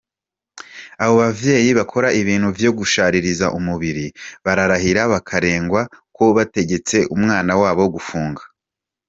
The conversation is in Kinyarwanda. Abo bavyeyi bakora ibintu vyo gushariza umubiri, bararahira bakarengwa ko batategetse umwana wabo gufunga.